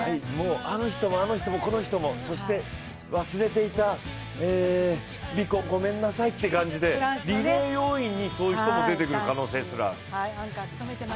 あの人もあの人も、この人もそして忘れていたビコ、ごめんなさいという感じでリレー要員にそういう人たちも出てくる可能性がある。